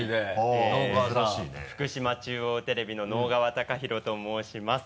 福島中央テレビの直川貴博と申します。